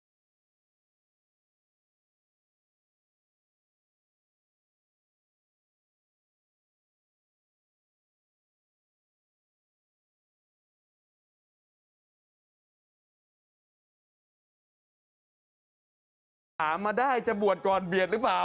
ก็ไม่รู้ว่าจะหามาได้จะบวชก่อนเบียดหรือเปล่า